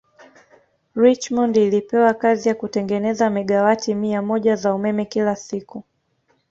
Richmond ilipewa kazi ya kutengeneza megawati mia moja za umeme kila siku